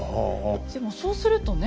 でもそうするとねえ？